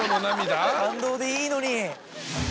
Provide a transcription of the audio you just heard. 感動でいいのに。